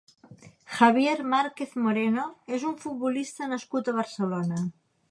Javier Márquez Moreno és un futbolista nascut a Barcelona.